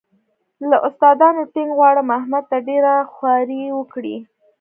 له استادانو ټینګ غواړم احمد ته ډېره خواري وکړي.